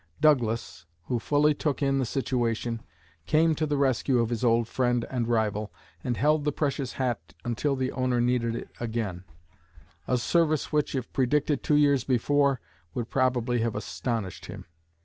Douglas, who fully took in the situation, came to the rescue of his old friend and rival, and held the precious hat until the owner needed it again; a service which, if predicted two years before, would probably have astonished him.